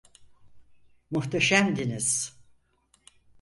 Muhteşemdiniz.